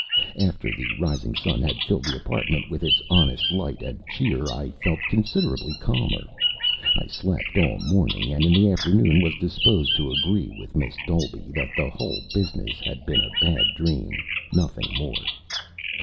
After the rising sun had filled the apartment with its honest light and cheer I felt considerably calmer. I slept all morning, and in the afternoon was disposed to agree with Miss Dolby that the whole business had been a bad dream, nothing more.